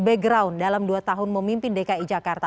background dalam dua tahun memimpin dki jakarta